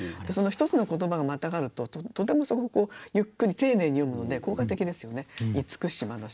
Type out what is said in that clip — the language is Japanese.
でその一つの言葉がまたがるととてもそこがゆっくり丁寧に読むので効果的ですよね。